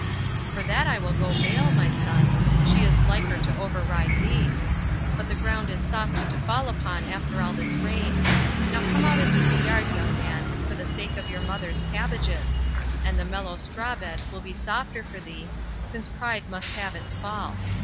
"For that I will go bail, my son. She is liker to override thee. But the ground is soft to fall upon after all this rain. Now come out into the yard, young man, for the sake of your mother's cabbages. And the mellow strawbed will be softer for thee, since pride must have its fall.